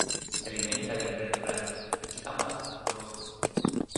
Se alimenta de invertebrados, gambas y moluscos.